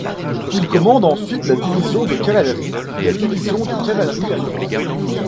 Il commande ensuite la division de cavalerie, puis la division de cavalerie à Lyon.